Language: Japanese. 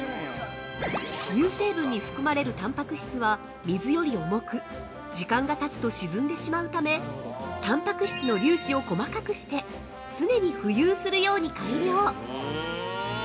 乳成分に含まれるたんぱく質は水より重く、時間がたつと沈んでしまうため、たんぱく質の粒子を細かくして、常に浮遊するように改良。